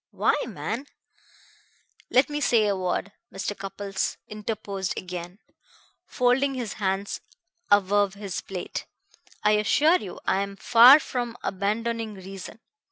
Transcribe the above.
Why, man " "Let me say a word," Mr. Cupples interposed again, folding his hands above his plate. "I assure you I am far from abandoning reason.